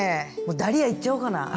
ダリアいっちゃおうかな。